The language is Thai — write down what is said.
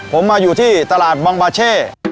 ผมมาอยู่ที่ตลาดบังบาเช่